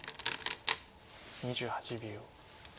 ２８秒。